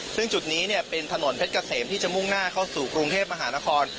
ซึ่งจุดนี้เป็นถนนเพชรเกษมที่จะมุ่งหน้าเข้าสู่กรุงเทพมหานคร